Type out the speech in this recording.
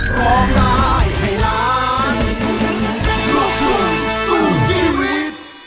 โปรดติดตามตอนต่อไป